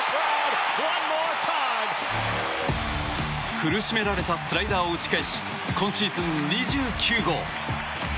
苦しめられたスライダーを打ち返し今シーズン２９号。